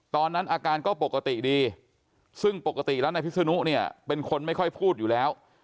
ตอนนั้นอาการก็ปกติดีซึ่งปกติแล้วนายพิศนุเนี่ยเป็นคนไม่ค่อยพูดอยู่แล้ว